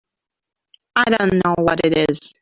I don't know what it is.